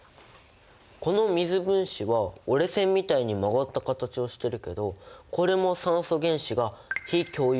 この水分子は折れ線みたいに曲がった形をしてるけどこれも酸素原子が非共有